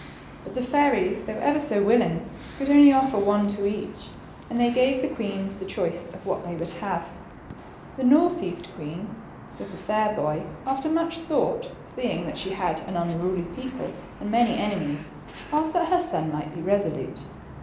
But the fairies, though ever so willing, could only offer one to each, and they gave the queens the choice of what they would have. The north east queen, with the fair boy, after much thought, seeing that she had. an unruly people and many enemies, asked that her son might be resolute.